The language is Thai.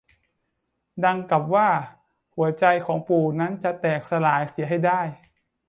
ดังกับว่าหัวใจของปู่นั้นจะแตกสลายเสียให้ได้